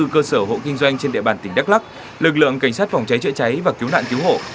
hai mươi cơ sở hộ kinh doanh trên địa bàn tỉnh đắk lắc lực lượng cảnh sát phòng cháy chữa cháy và cứu nạn cứu hộ